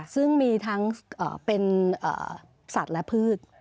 ซึ่งมีทั้งเป็นสัตว์และพืช